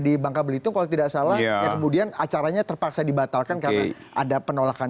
di bangka belitung kalau tidak salah ya kemudian acaranya terpaksa dibatalkan karena ada penolakan